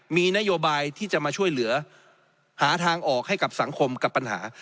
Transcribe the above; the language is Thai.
มีนโยบายที่จะมาช่วยเหลือหาทางออกให้กับสังคมกับปัญหา